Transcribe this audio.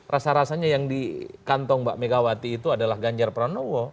rasa rasanya yang di kantong mbak megawati itu adalah ganjar pranowo